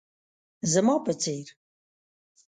زما په څير